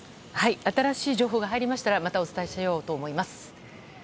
新しい情報が入りましたらまたお伝えしようと思います。